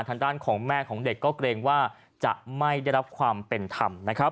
ทางด้านของแม่ของเด็กก็เกรงว่าจะไม่ได้รับความเป็นธรรมนะครับ